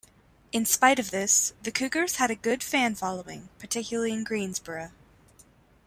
In spite of this, the Cougars had a good fan following, particularly in Greensboro.